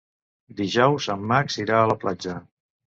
Dijous en Max irà a la platja.